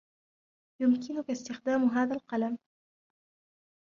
يمكنك استخدام هذا القلم